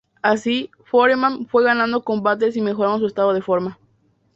Así, Foreman fue ganando combates y mejorando su estado de forma.